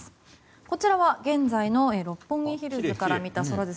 こちらは現在の六本木ヒルズから見た空です。